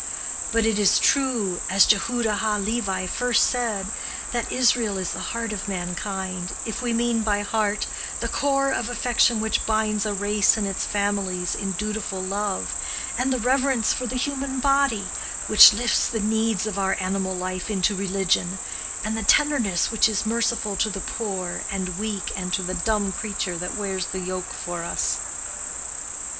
But it is true, as Jehuda ha Levi first said, that Israel is the heart of mankind, if we mean by heart the core of affection which binds a race and its families in dutiful love, and the reverence for the human body which lifts the needs of our animal life into religion, and the tenderness which is merciful to the poor and weak and to the dumb creature that wears the yoke for us."